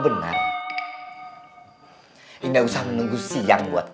enggak enggak enggak enggak